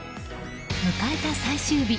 迎えた最終日。